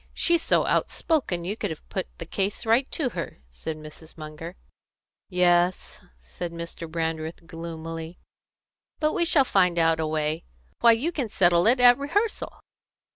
She's so outspoken you could have put the case right to her," said Mrs. Munger. "Yes," said Mr. Brandreth gloomily. "But we shall find out a way. Why, you can settle it at rehearsal!"